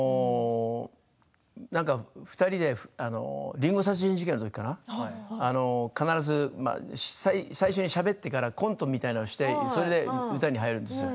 なんか２人で「林檎殺人事件」のときかな必ずしゃべってからコントみたいなことをして歌に入るんですよ。